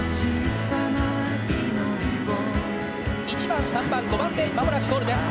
１番３番５番で間もなくゴールです。